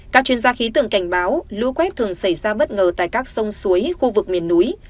các chuyên gia khí tượng cảnh báo lũ quét thường xảy ra bất ngờ tại các sông suối khu vực miền núi